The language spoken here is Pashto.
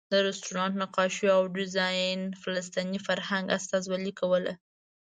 د رسټورانټ نقاشیو او ډیزاین فلسطیني فرهنګ استازولې کوله.